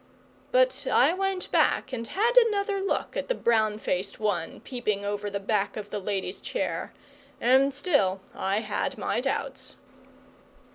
But I went back and had another look at the brown faced one peeping over the back of the lady's chair, and still I had my doubts.